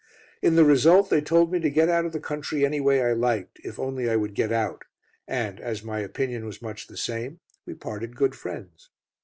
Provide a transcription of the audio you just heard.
In the result they told me to get out of the country any way I liked, if only I would get out, and, as my opinion was much the same, we parted good friends.